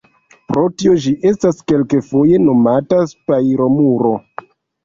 Pro tio, ĝi estas kelkfoje nomata spajro-muro.